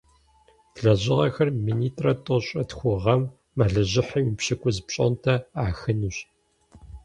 Лэжьыгъэхэр минитӏрэ тӏощӏрэ тху гъэм мэлыжьыхьым и пщыкӀуз пщӀондэ Ӏахынущ.